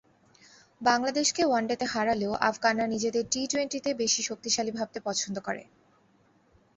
বাংলাদেশকে ওয়ানডেতে হারালেও আফগানরা নিজেদের টি-টোয়েন্টিতেই বেশি শক্তিশালী ভাবতে পছন্দ করে।